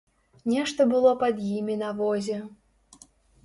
Нешта было пад імі на возе.